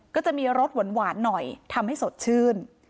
ก็จะมีรสหวานหน่อยทำให้สดชื่น